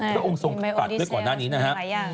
พระองค์ทรงตัดด้วยก่อนหน้านี้นะครับ